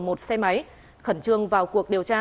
một xe máy khẩn trương vào cuộc điều tra